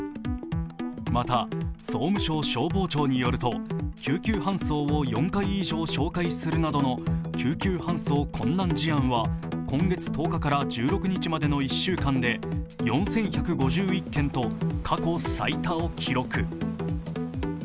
また、総務省消防庁によると救急搬送を４回以上照会するなどの救急搬送困難事案は今月１０日から１６日までの１週間で４１５１件と過去最多を記録。